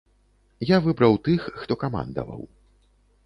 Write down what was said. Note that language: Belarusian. Я выбіраў тых, хто камандаваў.